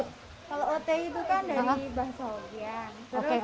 kalau otot itu kan dari bahasa hokkien